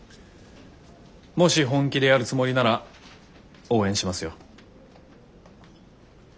もし本気でやるつもりなら応援しますよ。